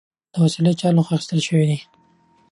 دا وسلې د چا له خوا اخیستل شوي دي؟